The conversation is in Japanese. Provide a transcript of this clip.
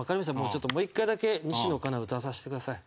ちょっともう一回だけ西野カナ歌わせてください。